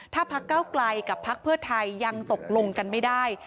ถ้าพกกับพทยังตกลงกันไม่ได้